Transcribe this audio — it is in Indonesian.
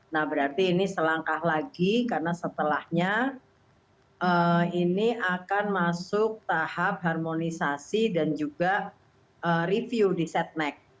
nah berarti ini selangkah lagi karena setelahnya ini akan masuk tahap harmonisasi dan juga review di setnek